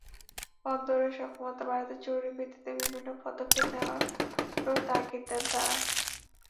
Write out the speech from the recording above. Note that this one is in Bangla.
বন্দরের সক্ষমতা বাড়াতে জরুরি ভিত্তিতে বিভিন্ন পদক্ষেপ নেওয়ারও তাগিদ দেন তাঁরা।